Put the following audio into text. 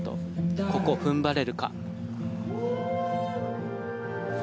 ここ、踏ん張れるか。